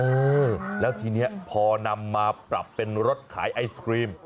เออแล้วทีนี้พอนำมาปรับเป็นรถขายไอศครีม